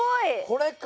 これか！